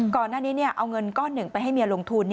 ก่อนหน้านี้เอาเงินก้อนหนึ่งไปให้เมียลงทุน